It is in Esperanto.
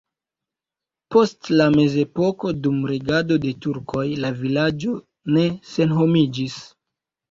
Post la mezepoko dum regado de turkoj la vilaĝo ne senhomiĝis.